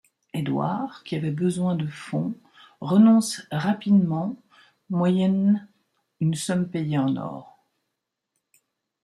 Édouard qui avait besoin de fonds renonce rapidement moyennent une somme payée en or.